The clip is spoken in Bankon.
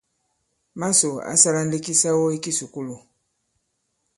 Màsò ǎ sālā ndī kisawo ī kisùkulù.